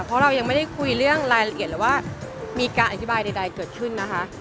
เพราะเรายังไม่ได้คุยเรื่องรายละเอียดเลยว่ามีการอธิบายใดเกิดขึ้นนะคะ